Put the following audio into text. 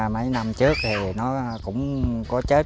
mấy năm trước thì nó cũng có chết